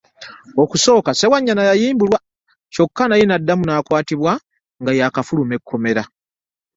Okusooka Ssewanyana yayimbulwa kyokka naye n'addamu n'akwatibwa nga yaakafuluma ekkomera